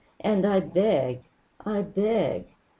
And I beg! I beg!